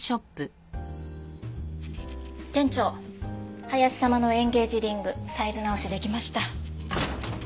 店長林様のエンゲージリングサイズ直しできました。